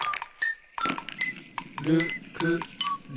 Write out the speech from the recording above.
「る」「く」「る」。